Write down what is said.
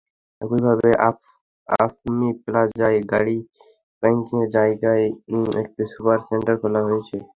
একইভাবে আফমি প্লাজায় গাড়ি পার্কিংয়ের জায়গায় একটি সুপার স্টোর খোলা হয়েছে।